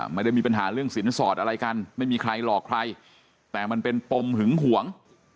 ไม่ได้มีปัญหาเรื่องสินสอดอะไรกันไม่มีใครหลอกใครแต่มันเป็นปมหึงหวง